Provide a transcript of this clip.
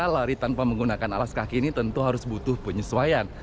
lari tanpa menggunakan alas kaki ini tentu harus butuh penyesuaian